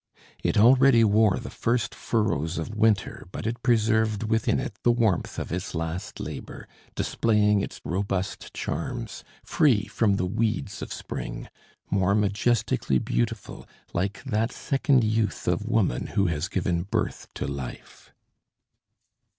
It already wore the first furrows of winter, but it preserved within it the warmth of its last labour, displaying its robust charms, free from the weeds of spring, more majestically beautiful, like that second youth, of woman who has given birth to life.